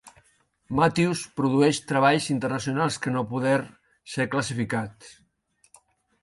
Matthews produeix treballs internacionals que no poder ser classificats.